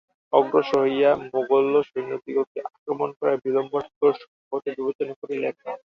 অগ্রসর হইয়া মোগলসৈন্যদিগকে আক্রমণ করা বিল্বন ঠাকুর সংগত বিবেচনা করিলেন না।